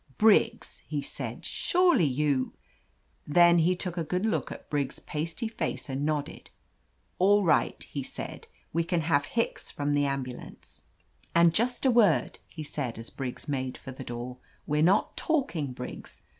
"Briggs !" he said. "Surely you—" Then he took a good look at Briggs' pasty face and nodded. "All right," he said. "We can have 98 OF LETITIA CARBERRY Hicks from the ambulance. And just a word," he said, as Briggs made for the door. We are not talking, Briggs.